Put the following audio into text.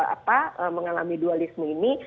apa mengalami dualisme ini